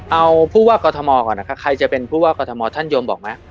เอาผู้ว่ากอทมก่อนนะคะใครจะเป็นผู้ว่ากรทมท่านโยมบอกไหม